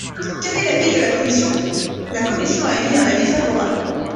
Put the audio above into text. Quel est l’avis de la commission ? La commission a émis un favorable.